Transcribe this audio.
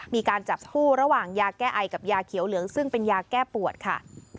มีการจับคู่ระหว่างยาแก้ไอกับยาเขียวเหลืองซึ่งเป็นยาแก้ปวดค่ะ